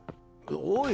おい。